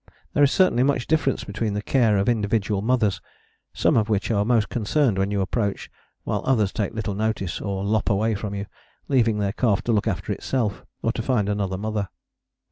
There is certainly much difference between the care of individual mothers, some of which are most concerned when you approach, while others take little notice or lop away from you, leaving their calf to look after itself, or to find another mother.